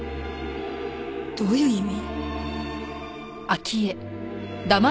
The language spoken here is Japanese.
どういう意味？